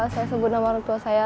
saya sebut nama orang tua saya